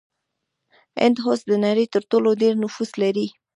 هند اوس د نړۍ تر ټولو ډیر نفوس لري.